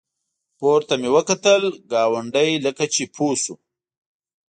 پورته مې وکتلې ګاونډی لکه چې پوه شو.